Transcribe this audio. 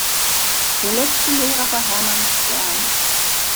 Der letzte Lehrer war Hermann Stern.